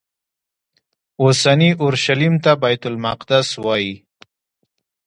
اوسني اورشلیم ته بیت المقدس وایي.